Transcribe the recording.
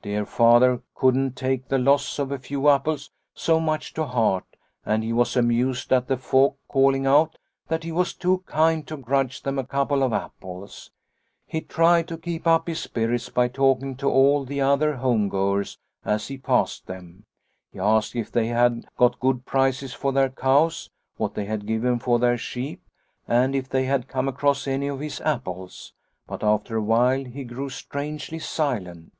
Dear Father couldn't take the loss of a few apples so much to heart and he was amused at the folk calling out that he was too kind to grudge them Snow White 79 a couple of apples. He tried to keep up his spirits by talking to all the other homegoers as he passed them. He asked if they had got good prices for their cows, what they had given for their sheep, and if they had come across any of his apples. " But after a while he grew strangely silent.